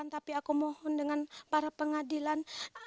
tapi aku mohon dengan para pengadilan